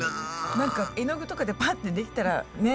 何か絵の具とかでパッてできたらねえ。